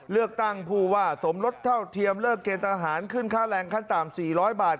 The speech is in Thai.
เลือกตั้งผู้ว่าสมรสเท่าเทียมเลิกเกณฑ์ทหารขึ้นค่าแรงขั้นต่ำ๔๐๐บาท